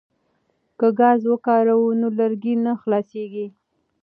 که ګاز وکاروو نو لرګي نه خلاصیږي.